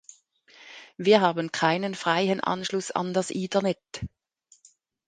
Wir haben keinen freihen Anschluß an das Ethernet.